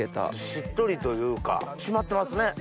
しっとりというか締まってますね。